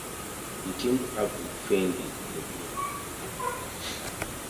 He teamed up with Fendi in the group.